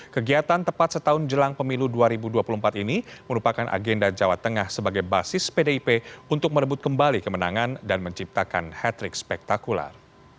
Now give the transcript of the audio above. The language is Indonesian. kegiatan tepat setahun jelang pemilu dua ribu dua puluh empat ini merupakan agenda jawa tengah sebagai basis pdip untuk merebut kembali kemenangan dan menciptakan hat trick spektakular